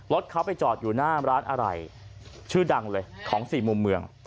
รถเขาไปจอดอยู่หน้าร้านอะไรชื่อดังเลยของสี่มุมเมือง